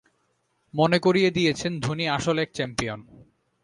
মনে করিয়ে দিয়েছেন, ধোনি আসল এক চ্যাম্পিয়ন।